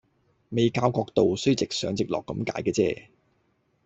未校角度，所以直上直落咁解嘅啫